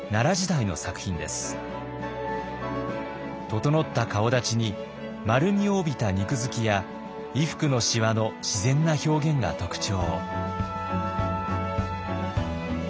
整った顔だちに丸みを帯びた肉づきや衣服のしわの自然な表現が特徴。